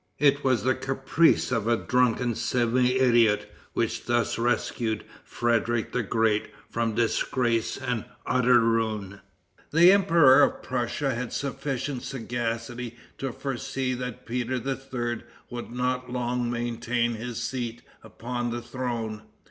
It was the caprice of a drunken semi idiot which thus rescued Frederic the Great from disgrace and utter ruin. The Emperor of Prussia had sufficient sagacity to foresee that Peter III. would not long maintain his seat upon the throne.